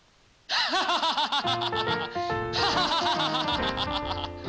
ハハハハハハハ。